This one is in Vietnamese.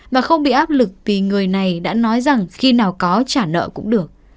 và không bị áp lực vì người này đã nói rằng khi nào có trả nợ cũng được